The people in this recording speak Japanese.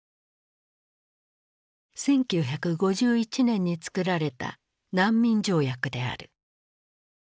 １９５１年に作られた難民条約である。